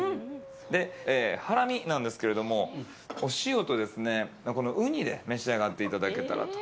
ハラミなんですけれども、お塩とですね、このウニで召し上がっていただけたらと。